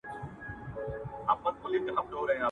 کمپيوټر بار وړل تنظيموي.